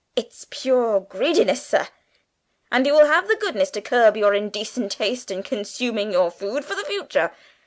It's pure greediness, sir, and you will have the goodness to curb your indecent haste in consuming your food for the future.